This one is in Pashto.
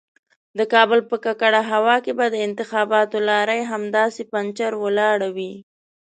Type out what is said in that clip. د کابل په ککړه هوا کې به د انتخاباتو لارۍ همداسې پنجر ولاړه وي.